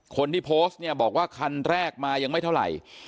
คนที่โพสต์เนี่ยบอกว่าคันแรกมายังไม่เท่าไหร่